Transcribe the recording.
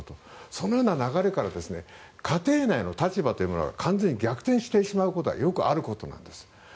そのような流れから家庭内の立場というものが完全に逆転してしまうことはよくあることなんです。